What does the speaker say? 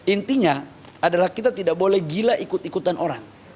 intinya adalah kita tidak boleh gila ikut ikutan orang